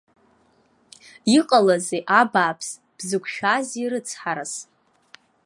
Иҟалазеи, абааԥс, бзықәшәазеи рыцҳарас?